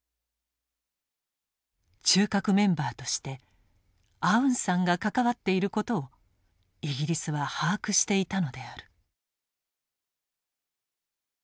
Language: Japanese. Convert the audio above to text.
中核メンバーとしてアウンサンが関わっていることをイギリスは把握していたのである。